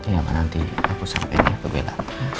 ya ma nanti aku sampaikan ke bella